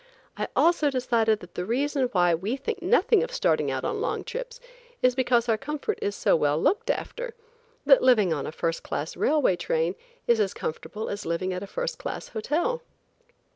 I also decided that the reason why we think nothing of starting out on long trips, is because our comfort is so well looked after, that living on a first class railway train is as comfortable as living at a first class hotel.